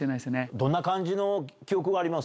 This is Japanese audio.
どんな感じの記憶があります？